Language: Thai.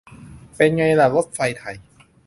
เป็นไงล่ะ รถไฟไทย